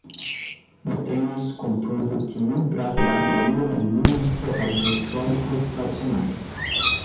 Notemos, contudo, que não trata da harmonia na linha dos tratados históricos tradicionais.